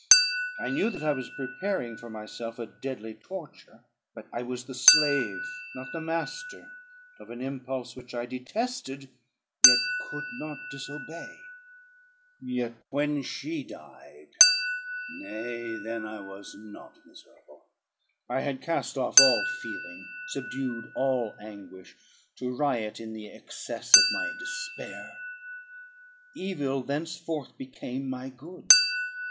I knew that I was preparing for myself a deadly torture; but I was the slave, not the master, of an impulse, which I detested, yet could not disobey. Yet when she died! nay, then I was not miserable. I had cast off all feeling, subdued all anguish, to riot in the excess of my despair. Evil thenceforth became my good.